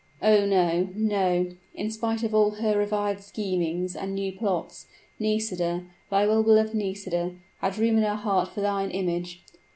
Oh! no no; in spite of all her revived schemings and new plots, Nisida, thy well beloved Nisida, had room in her heart for thine image!